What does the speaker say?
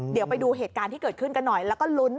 เดี๋ยวไปดูเหตุการณ์ที่เกิดขึ้นกันหน่อยแล้วก็ลุ้น